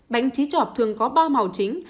bánh trí trọt thường có ba màu chính